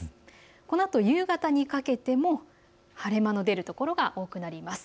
このあと夕方にかけても晴れ間の出る所が多くなります。